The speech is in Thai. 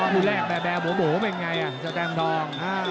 คู่แรกแบบแบบโหบโหเป็นไงอ่ะแสตม์ทอง